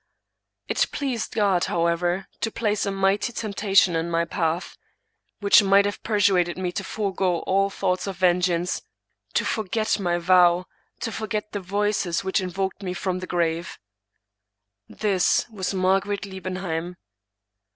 " It pleased God, however, to place a mighty temptation in my path, which might have persuaded me to forego all thoughts of vengeance, to forget my vow, to forget the voices which invoked me from the grave. This was Mar garet Liebenheim.